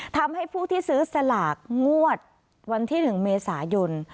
ทำให้ผู้ที่ซื้อสลากงวดวันที่๑เมษายน